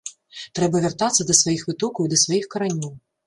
Трэба вяртацца да сваіх вытокаў і да сваіх каранёў.